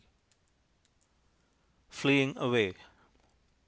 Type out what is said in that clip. FLEEING AWAY.